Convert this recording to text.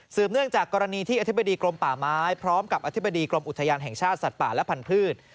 เนื่องจากกรณีที่อธิบดีกรมป่าไม้พร้อมกับอธิบดีกรมอุทยานแห่งชาติสัตว์ป่าและพันธุ์